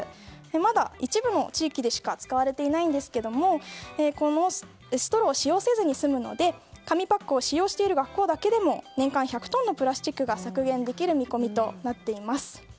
まだ一部の地域でしか使われていないんですがストローを使用せずに済むので紙パックを使用している学校だけでも年間１００トンのプラスチックが削減できる見込みとなっています。